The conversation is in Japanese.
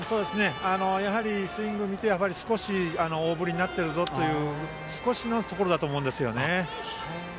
やはり、スイングを見て少し大振りになっているぞという少しのところだと思います。